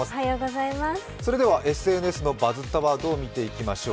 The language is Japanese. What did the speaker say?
それではＳＮＳの「バズったワード」を見ていきましょう。